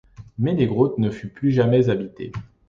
Menegroth ne fut plus jamais habité.